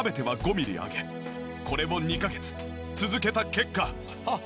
これを２カ月続けた結果。